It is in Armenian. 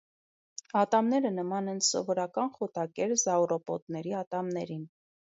Ատամները նման են սովորական խոտակեր զաուրոպոդների ատամներին։